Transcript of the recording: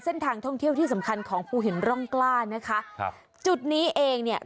เส้นทางท่องเที่ยวที่สำคัญของภูหินร่องกล้านะคะครับจุดนี้เองเนี่ย